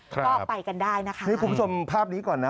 ก็ไปกันได้นะคะนี่คุณผู้ชมภาพนี้ก่อนนะ